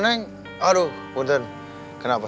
neng kamu tidak apa apa